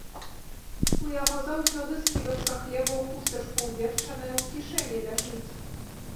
У яго заўсёды скібачка хлеба ў хустачку ўверчаная ў кішэні ляжыць.